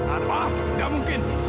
apa tidak mungkin